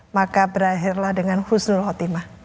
maka berakhirlah dengan khusnul khotimah